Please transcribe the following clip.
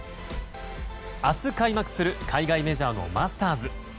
明日開幕する海外メジャーのマスターズ。